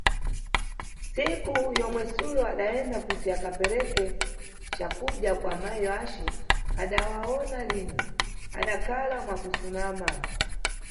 Tsiku yomwe sulo adayenda kuti akapereke cakudya kwa mayi yace adawawona lini, adakhala mwakusumana.